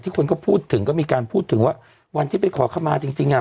คนก็พูดถึงก็มีการพูดถึงว่าวันที่ไปขอขมาจริงจริงอ่ะ